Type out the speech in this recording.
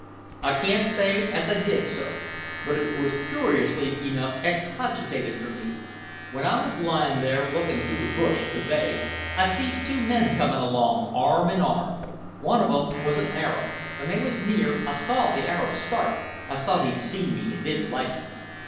"I can't say as I did, sir, but it was cooriously enough excogitated for me. W'en I was lying there looking through the bush at the bay, I sees two men comin' along, arm in arm. One of 'em was an Arab. W'en they was near I saw the Arab start; I thought he'd seen me, and didn't like me.